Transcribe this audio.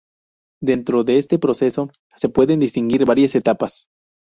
Dentro de este proceso se pueden distinguir varias etapas.